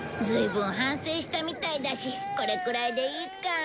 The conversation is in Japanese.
ずいぶん反省したみたいだしこれくらいでいいか。